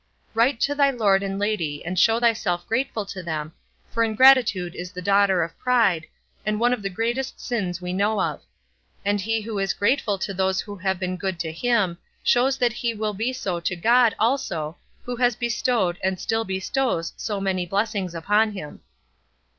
Write to thy lord and lady and show thyself grateful to them, for ingratitude is the daughter of pride, and one of the greatest sins we know of; and he who is grateful to those who have been good to him shows that he will be so to God also who has bestowed and still bestows so many blessings upon him.